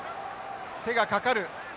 手がかかる。